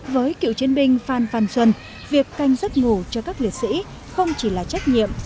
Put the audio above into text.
với cựu chiến binh phan phan xuân việc canh giấc ngủ cho các liệt sĩ không chỉ là trách nhiệm